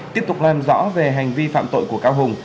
tiếp tục làm rõ về hành vi phạm tội của cao hùng